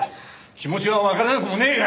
気持ちはわからなくもねえが。